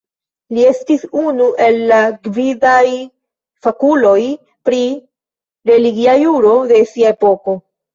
Li estis unu el la gvidaj fakuloj pri religia juro de sia epoko.